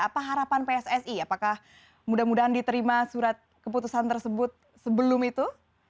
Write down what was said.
apa harapan pssi apakah mudah mudahan diterima surat keputusan tersebut sebelum itu